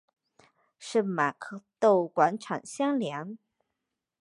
圣玛窦广场相连。